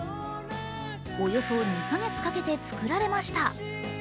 およそ２か月かけて作られました。